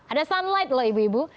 ada sunlight loh ibu ibu